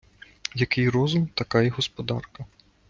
Який розум, така й господарка.